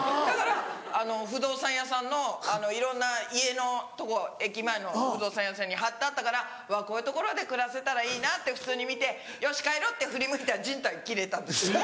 だから不動産屋さんのいろんな家のとこ駅前の不動産屋さんに張ってあったから「わぁこういう所で暮らせたらいいな」って普通に見てよし帰ろうって振り向いたら靱帯切れたんです。